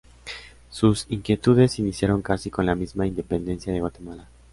Sus inquietudes iniciaron casi con la misma independencia de Guatemala.